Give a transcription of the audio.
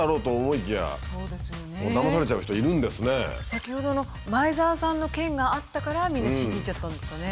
先ほどの前澤さんの件があったからみんな信じちゃったんですかね。